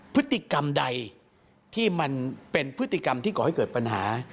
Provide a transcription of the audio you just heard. พฤติกรรมใดที่มันเป็นพฤติกรรมที่ก่อให้เกิดปัญหา